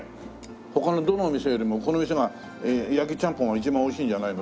他のどのお店よりもこの店が焼ちゃんぽんが一番おいしいんじゃないの？